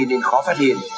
nên khó phát hiện